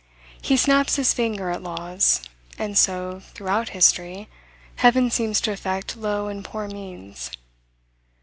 He snaps his finger at laws; and so, throughout history, heaven seems to affect low and poor means.